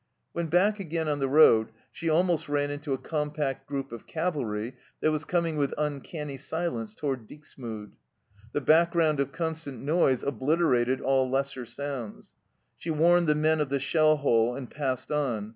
When back again on the road she almost ran into a compact group of cavalry that was coming with uncanny silence toward Dixmude. The back ground of constant noise obliterated all lesser sounds. She warned the men of the shell hole and passed on.